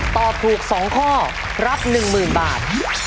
ตอบถูก๒ข้อรับ๑๐๐๐บาท